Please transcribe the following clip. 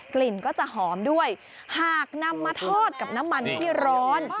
กลิ่นก็จะหอมด้วยหากนำมาทอดกับน้ำมันที่ร้อน